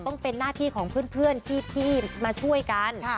ต้องเป็นหน้าที่ของเพื่อนที่มาช่วยกัน